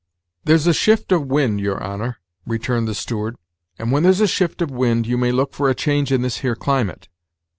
"There's a shift of wind, your honor," returned the steward; "and when there's a shift of wind, you may look for a change in this here climate.